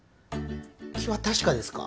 気は確かですか？